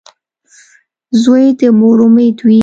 • زوی د مور امید وي.